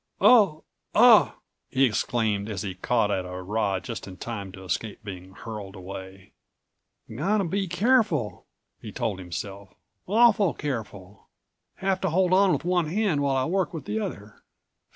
"Oh—ah!" he exclaimed as he caught at a rod just in time to escape being hurled away.180 "Got to be careful," he told himself, "awful careful! Have to hold on with one hand while I work with the other.